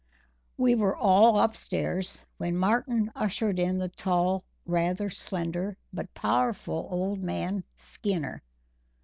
We were all upstairs when Martin ushered in the tall, rather slender, but powerful old man, Skinner.